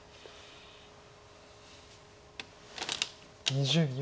２０秒。